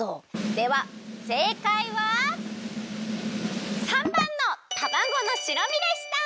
ではせいかいは③ばんのたまごの白身でした！